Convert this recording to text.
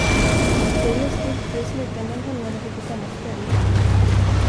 Det är lustigt, för i slutändan hamnade vi på samma ställe.